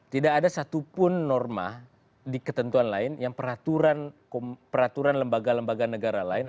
tidak ada satupun norma di ketentuan lain yang peraturan lembaga lembaga negara lain